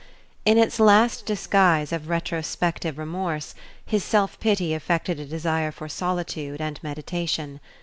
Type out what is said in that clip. In its last disguise of retrospective remorse, his self pity affected a desire for solitude and meditation.